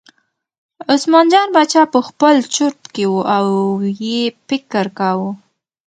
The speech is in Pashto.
عثمان جان باچا په خپل چورت کې و او یې فکر کاوه.